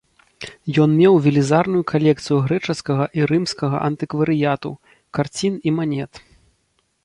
Ён меў велізарную калекцыю грэчаскага і рымскага антыкварыяту, карцін і манет.